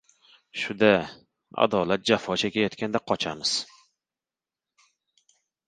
Shu-da, adolat jafo chekayotganda qochamiz!